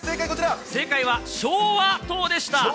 正解は昭和塔でした。